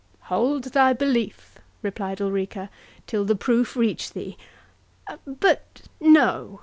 "Hold thy belief," replied Ulrica, "till the proof reach thee—But, no!"